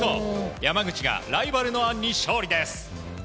山口がライバルのアンに勝利です。